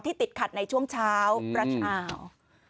ที่ติดขัดในช่วงเช้าประเทศ